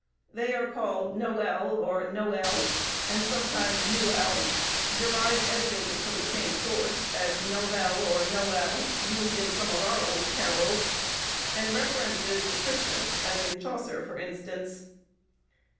They are called noël, or nouel, and sometimes nuel, derived evidently from the same source, as novell or nowell, used in some of our old carols, and references to Christmas, as in Chaucer, for instance.